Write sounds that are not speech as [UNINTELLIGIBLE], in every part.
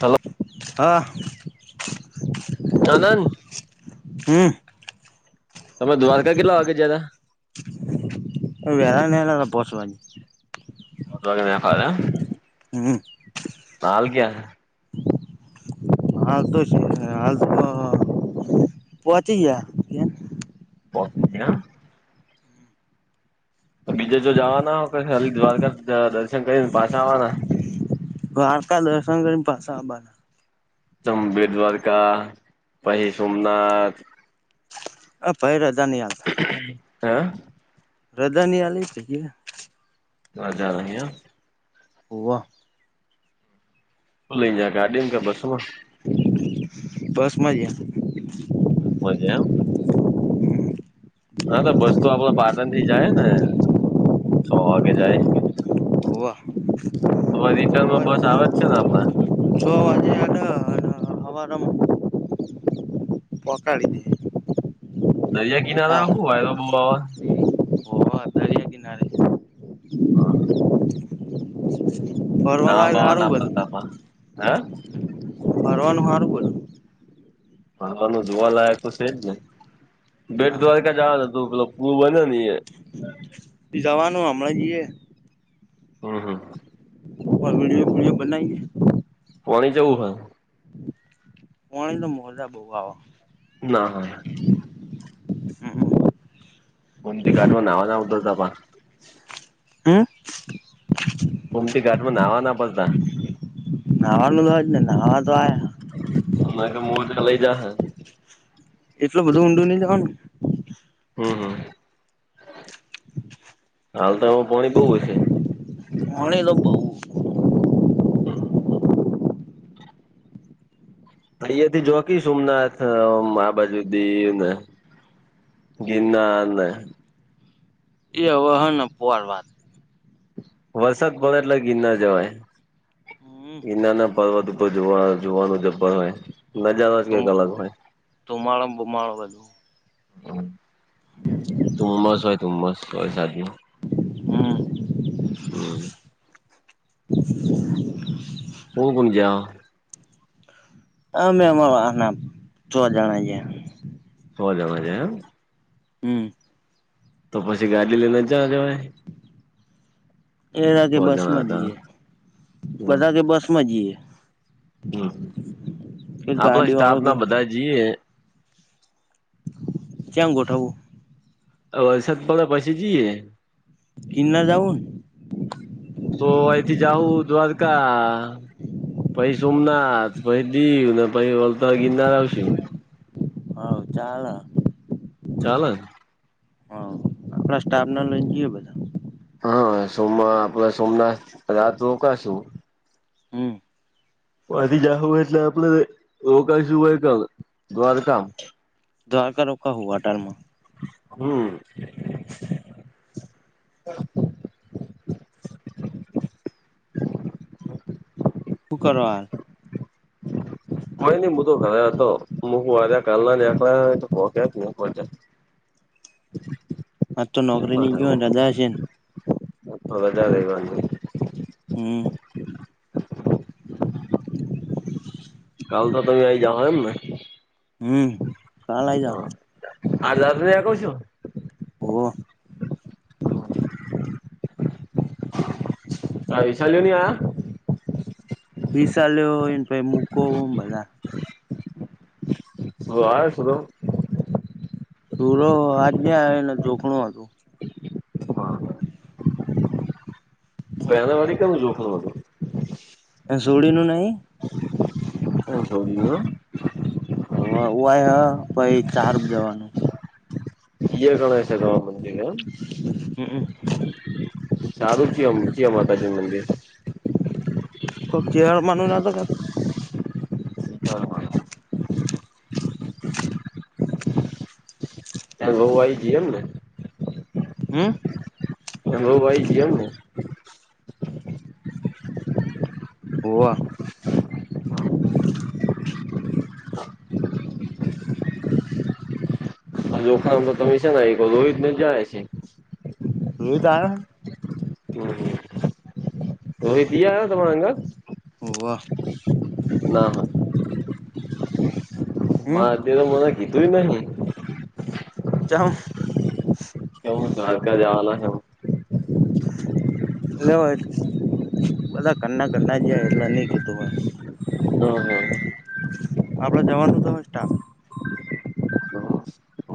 Hello. હા. કાનન. હમ તમે દ્વારકા કેટલા વાગે જ્યાતા? પોશ વાજે. હમ [UNINTELLIGIBLE] હાલ ક્યા? હાલ તો, શ હાલ તો, પોચી ગયા. પોકી ગ્યા એમ. તો બીજે ચો જાવાના હો કે ખાલી દ્વારકા દ-દર્શન કરીન પાછા આવાના? દ્વારકા દર્શન કરીન પાસા આબાના ચંમ બેટ દ્વારકા પહી સોમનાથ અ ભઈ ર હન. રજા ની આલી [UNINTELLIGIBLE] રજા નહિ એમ. હોવ. હુ લઈન જ્યાં ગાડીમ કે બસમાં? બસમાં જયા. બસમા જ એમ. હન, તો બસ તો આપડ પાટણથી જાય હે ને. છ વાગે જાય હે. હોવા હોવ રિટર્નમાં બસ આવે જ છે ન આપડ. છ વાજે હેડ અન હવારમ પોકાડી દે. દરિયા કિનારા હા. હું વાયરો બહુ આવે હોવ દરિયા કિનારે છે. અહ. ફરવા લાયક બાવા હારું ના બધું પડતા પા હે વાનું હારુ બધુ. ફરવાનું જોવાલાયક તો છે જ ને. બેટ હા દ્વારિકા જાવાનુ હતું, પેલો કૂવો બને ન એ પી જાવાનું હમણાં જીએ. હમ હમ વિડિઓ વિડિઓ બનાઈએ પોણી જવું હોય પોણી તો મોજા બહ આવે ના હ [UNINTELLIGIBLE] હમ કોમતી ઘાટમાં નાહવા ના પદતા નહવાનું તો જ ને નહવા તો આયા અ તો મોટા લઈ જાશે એટલું બધું ઊંડું ની જવાનું હમ હમ હાલ તો આમાં પાણી બહવ હ છે. પાણી લુંબ હમ અહયા થી જોકી સોમનાથ આ બાજુ દી ને ગિનારને એ હવે હ પોર વાત વરસાદ પડે એટલે ગિરનાર જવાય હમ ગિરનારના પર્વત ઉપર જોવા જોવાનું જ્ર હોય નજારો જ તું કઈક અલગ હોય. ધુમાડો ન બુમાડો બધું હ તુમ્મસ હોય તુમ્મસ હોય શદી હમ હમ [INAUDIBLE] [UNINTELLIGIBLE] આમે એમાના છ જણા જીયા સો જણા ગયા એમ હમ તો પછી ગાડી લઈને જ જવાય એરા સો [UNINTELLIGIBLE] બસ જણા માં હતા જઈએ હમ બધા કે બસ માં જઈએ. હમ કે હ આપડા ગાડી વાળો સ્ટાફ કે ના બધા જઈએ. ચમ ગોઠબુ. વરસાદ પડા પછી જઈએ. કિન્લા જઉું. તો અહીથી જાઉું દ્વારકા પછ સોમનાથ પછ દીવ ને પછ વલતાર ગિરનાર આવશે. આવ ચાલ. ચાલ. આપડા સ્ટાફ ના બધા. હા સોમવા આપે સોમનાથ રાત રોકાશું. [INAUDIBLE] પછ જવું એટલે આપડ રોકાશું હોય ક દ્વારકામ. દ્વારકા રોકાા હવાટારમાં. [INAUDIBLE] શુકરવાર. મ ન મુ તો ઘરે હતો મું્યા કાલ નાક્યાચ્યા [INAUDIBLE] આજ તો નોકરી નની જોયોને રજા છે ને. વધારે વા [INAUDIBLE] કાલ તો તમે આઈ જઓ એમ ને. હમ કાલ આવી જાાવ. હા દયા ક છું. [INAUDIBLE] આ વિશાલ્યો ને આયા. વિશાલ ને ઈન ભાઈ મૂકો ને બધા. હા હા શોધો. સુરો આજ નં આવે ને જોખણાં. [INAUDIBLE] એના વરી કેમ ચોખૂ નતું. એ છોકરીનું નહી. એમ છોડીને ઓવ હું વાયસ પાઈ ચાર જવાનું. એ ગણે છે જવાબ એમ. હમમ સારું છે ચીયા માતાજીનું મંદિર છે. કોક ચેહર માનુ નાતો કેતો. સ ખરું. [INAUDIBLE] તાર વઉ આઈ જી એમ ને. હમ. એ વઉ આઇ જી એમને. ઓવ. આ લોખા ઉપરતો તમે સાન આઈ જ્યાં રોહિત આયો. રોહિત ઈ આયો તમાર હંગાત. વાહ. હમ મારા દિયોરે મને કીધુંય નહી. ચોમ. કેમુ દ્વારકા જવાના છે. [INAUDIBLE] લ્યો હેડો ગણા ઘના જાય એટલે નહી કીધું હોઈ. હમ હમ. આપડ જવાનો અતો સ્ટાપ.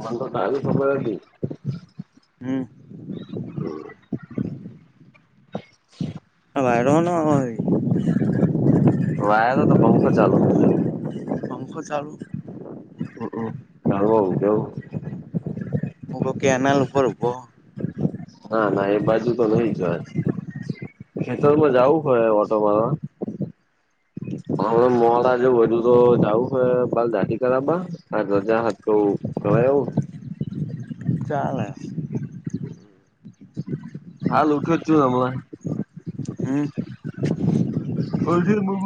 મ તો દારી મોકલો. હમ. વાઈરો હ ન હોમહોમ. વાયરો નતો પંખો ચાલુ અતો પંખો ચાલુ હવ ઉંઘી જવું. મુતોકેનાલ ઉપર ઉભો છું. ના ના એ બાજુ તો નઈ જ વાય. ખેતરમાં જવું છે ઓટો મારવા. હ હ મોડા જવું છે હજુતો જાવુ છે બાલ દાઢી કરવા કાલ રજા હતો. અવે આવું. ચાલે. હાલ જ ઉઠ્યો જ છું હવે. હમ. ઓથી બવ.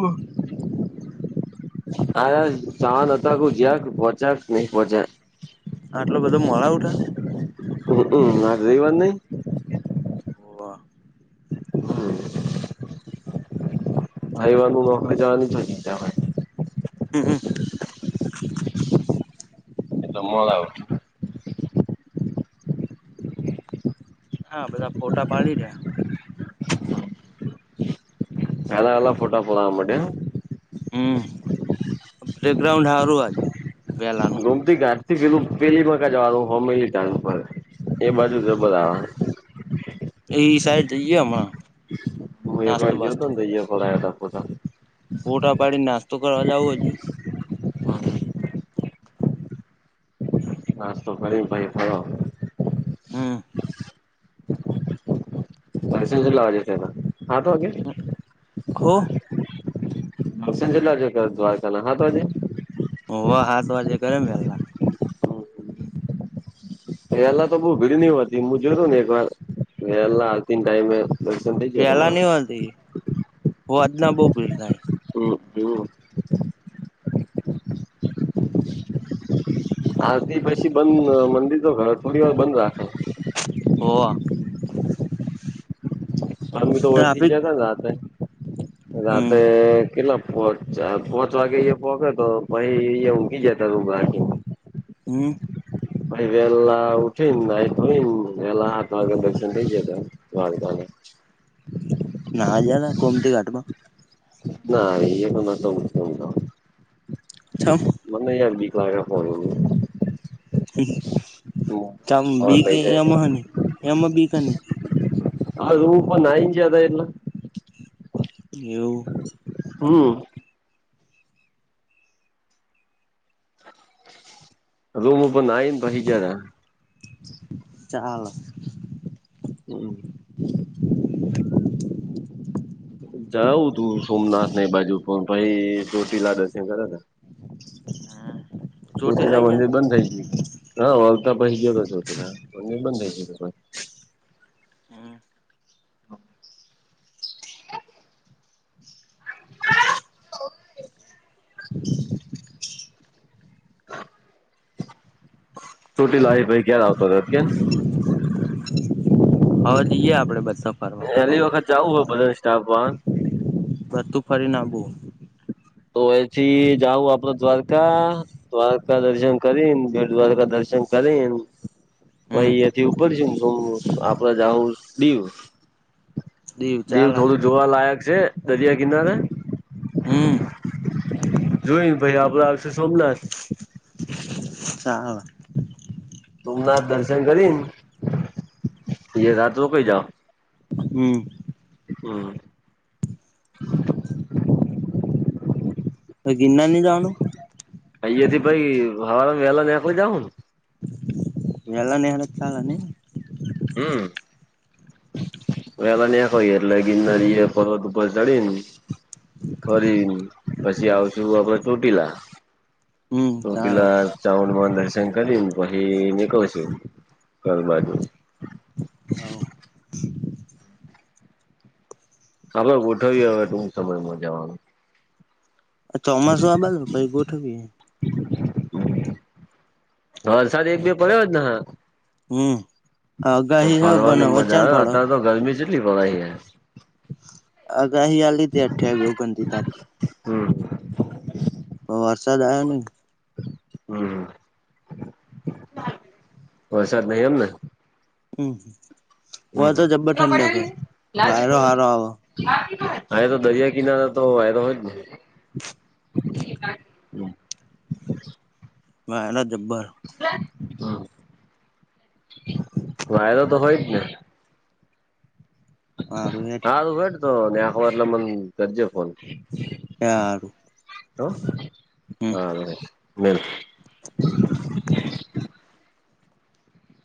આયર જવાના અ તા જયા પોક્યા કે નહી પોક્યા. આટલું બધું મોડું ઉઠાય. હક માર રવિ વાર નહી. હોવ. હ ક. રવિ વારનું ચો નોકરી જવાની ચિંતા છે તે. હમ હ એ તો મળ આવ. હા બધા ફોટા પાડી દ્યા. એ એલા પોટા પોડા માટે. હમ્મ, પ્લેગ્રાઉન્ડ હારૂ હે. ગુમતી ઘાસ થી પેલું પેલીમાંકા જવાનું હો મેળીવા. એ બાજુ છે બધા. એ સાઈડ જઈએ હમણાં. હું એક નાસ્તો વાર જોયોતો બાસ્તો ને દઈ ખલા તતા. ફોટા પાડીને નાસ્તો કરવા જાવું હજુ. [INAUDIBLE] નાસ્તો કરી ભાઈ ફરો. હમ્મ. લસ લેવા હો [UNINTELLIGIBLE] હા હોવા હાતવા કરેમ પેલા. વહેલા તો બઉ ભીડ ની હોત વહેલા ની હોતી હોજના બહ ભીડ થાય. [UNINTELLIGIBLE] હા થી પછી બંધ મંદિર તો ઘર થોડી વાર બંધ રાખે. હોવા. પણી તો વયથી જ ટ્રાફિક જયા હતા ને રાતે હમ રાતે કેટલા પોચ પોંચ વાગે એ પોખે તો પહિ ઉગી જતા ત બાકી. હમ્મ. ભાઈ વહેલા ઉઠીન નાઈ ધોઈન વહેલા હા વાગે દ થ જતા. [UNINTELLIGIBLE] ના જ ગોમતી ઘાટમાં ના એ તો નતો ચમ મને યાર બીક હવ હોનું હે. ચા હા બી કે લઈ જાય એમાંની એમાં બીકની. અપ નાઇ જ હતા એલા. એવું. હમ્મ. રૂમ પણ આ ને પછ જાર. ચાલો. હમ્મ. જાઉં તું સોમનાથ ની બાજુ પણ પછ જ્યોતિલા દર્શન કરે તા. હમ્મ. સુતીલા મંદિર બંધ થઈ જયા? હા. પછ બીજો રસ્ટ હે પહ બંધ થાય જ. [INAUDIBLE] [UNINTELLIGIBLE] ચોટી લાવી ભાઈ ક્યારે આવતો હતોકે. હ લઈએ આપડે બસ. પહેલી વખત જવું હોય બધાની સ્ટાફ વા બધું ફરીન આવું. તો એથી જાઉ આપડ દ્વારકા દ્વારકા દર્શન કરી દ્વારકા દર્શ શન કરીન હમ પાઈ અથી ઉપર છે તો આપડા જઉ ડીવ. દીવ દેવ ચાલે થોડું જોવાલાયક છે દરિયા કિનારે. હમ્મ. જોઈ ભાઈ આપડા આવશે સોમનાથ [UNINTELLIGIBLE] સોમનાથ દર્શન કરીન એ રાત રોકીઈ જાઓ હમ. હમ. તો ગીરનારની જાવાનું અહીયાથી ભાઈ હવારેમાં વેલા નેકળી જાહુ વેલા [UNINTELLIGIBLE] અને હમ વેલા ની હોયે એટલે ગિરનારી એ પર્વત ઉપર ચડીને ફરીન પછી આવશે આપડે ચોટીલા હમ ચાલે ચોટીલા ચામુંડમાને દર્શન કરીને પહી નીકળી છુ. ઘર બાજુ હવ હા ગોઠવીએ હવે ટુંક સમયમાં જવાનું ચોમાસું આ બાજો પહી ગોઠવીએ વરસાદ એક બે પડ્યો જ ને હા હમ તો આગાહી હ પણ ફરવાની હવે મજા ચાન આવે પડે અત્યારે તો ગરમી કેટલી ભરાઈ જાય અગાહી આલી તે અઠ્યાવી ઓગનતી તારીખ હમ. તો વરસાદ આવ્યો ની હમ વસાાદ નય એમને હમ. ઓ તો જબ્બર ઠંડક હ [INAUDIBLE] વાયરો હારો આવ હ એ તો દરિયા કિનારા તો વાયરો હોય જ ને [UNINTELLIGIBLE] જબ્બર હમ વાયરો તો હોય જ ને હ. સારું હેડ તો ને હવાર લ મન ગરજે ફોન એ હારું. હમ હા.